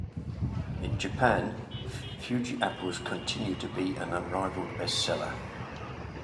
In Japan, Fuji apples continue to be an unrivaled best-seller.